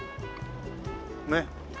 ねっ。